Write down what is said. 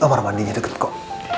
amar mandinya deket kok